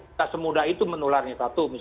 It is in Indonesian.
tidak semudah itu menularnya